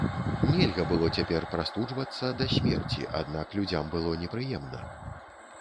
Нельга было цяпер прастуджвацца да смерці, аднак людзям было непрыемна.